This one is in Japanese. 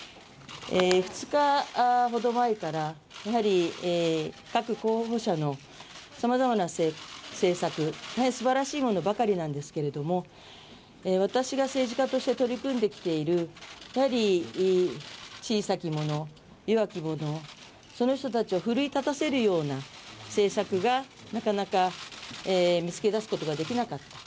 ２日ほど前から各候補者のさまざまな政策、大変すばらしいものばかりなんですけれども、私が政治家として取り組んできている、小さきもの弱きもの、その人たちを奮い立たせるような政策がなかなか見つけ出すことができなかった。